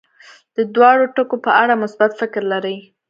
د دواړو ټکو په اړه مثبت فکر لري.